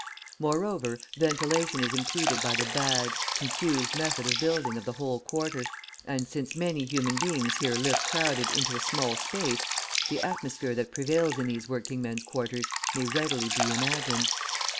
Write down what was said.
Moreover, ventilation is impeded by the bad, confused method of building of the whole quarter, and since many human beings here live crowded into a small space, the atmosphere that prevails in these working men's quarters may readily be imagined.